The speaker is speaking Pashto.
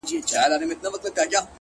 چي ته راتلې هيڅ يو قدم دې ساه نه درلوده;